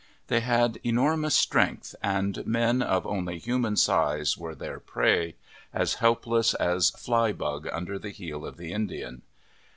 They had enormous strength and men of only human size were their prey, as helpless as " flybug ' under the heel of the Indian.